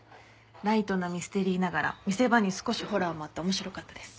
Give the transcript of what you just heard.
ライトなミステリーながら見せ場に少しホラーもあって面白かったです。